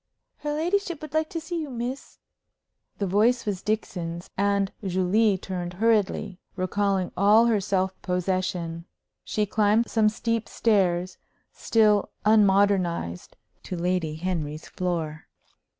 "Her ladyship would like to see you, miss." The voice was Dixon's, and Julie turned hurriedly, recalling all her self possession. She climbed some steep stairs, still unmodernized, to Lady Henry's floor.